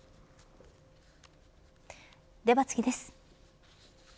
では次です。